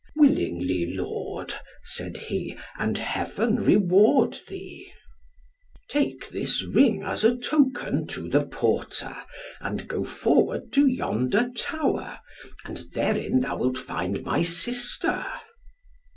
"Willingly, lord," said he, "and Heaven reward thee." "Take this ring as a token to the porter, and go forward to yonder tower, and therein thou wilt find my sister."